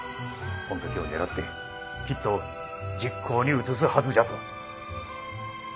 そん時を狙ってきっと実行に移すはずじゃと。